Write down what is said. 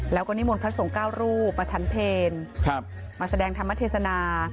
แล้วก็นิมนต์พระสงฆ์๙รูปประชันเพลมาแสดงธรรมเทศนา